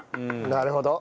なるほど。